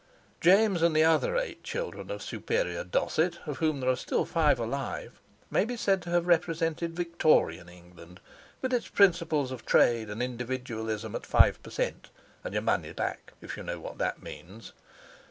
James and the other eight children of 'Superior Dosset,' of whom there are still five alive, may be said to have represented Victorian England, with its principles of trade and individualism at five per cent. and your money back—if you know what that means.